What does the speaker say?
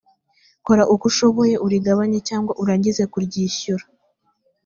kora uko ushoboye urigabanye cyangwa urangize kuryishyura